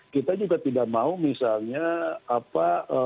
kita juga tidak mau misalnya apa